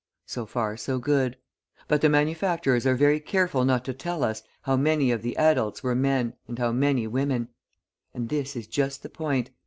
So far, so good. But the manufacturers are very careful not to tell us, how many of the adults were men and how many women. And this is just the point.